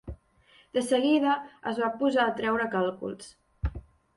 De seguida es va posar a treure càlculs